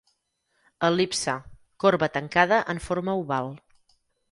El·lipse: corba tancada en forma oval.